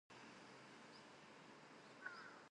He was dismissed by the club in December that year.